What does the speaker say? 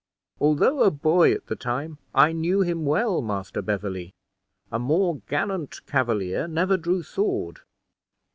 Although a boy at the time, I knew him well, Master Beverley; a more gallant Cavalier never drew sword.